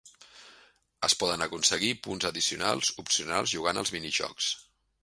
Es poden aconseguir punts addicionals opcionals jugant als minijocs.